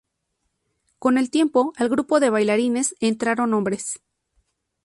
Con el tiempo, al grupo de bailarines entraron hombres.